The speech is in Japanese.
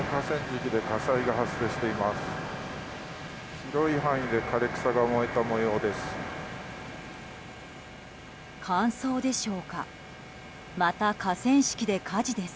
広い範囲で枯れ草が燃えた模様です。